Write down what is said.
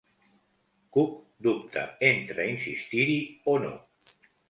Cook dubta entre insistir-hi o no.